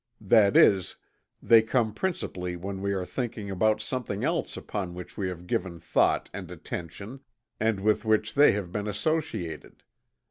That is, they come principally when we are thinking about something else upon which we have given thought and attention, and with which they have been associated.